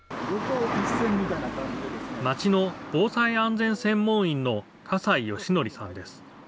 町の防災安全専門員の葛西宣則さんです。